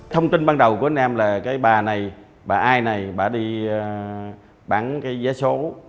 thông tin ban đầu của anh em là bà này bà ai này bà đi bán giá số